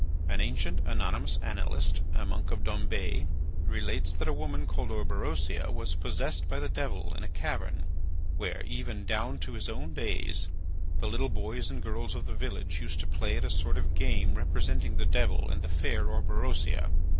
An ancient anonymous annalist, a monk of Dombes, relates that a woman called Orberosia was possessed by the devil in a cavern where, even down to his own days, the little boys and girls of the village used to play at a sort of game representing the devil and the fair Orberosia.